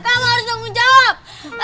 kamu harus tanggung jawab